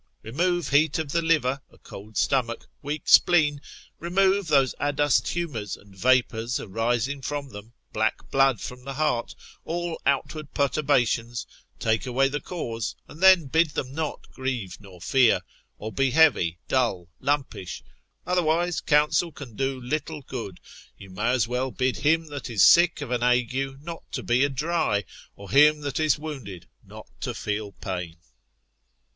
Remove heat of the liver, a cold stomach, weak spleen: remove those adust humours and vapours arising from them, black blood from the heart, all outward perturbations, take away the cause, and then bid them not grieve nor fear, or be heavy, dull, lumpish, otherwise counsel can do little good; you may as well bid him that is sick of an ague not to be a dry; or him that is wounded not to feel pain.